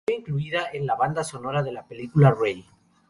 Fue incluida en la banda sonora de la película Ray.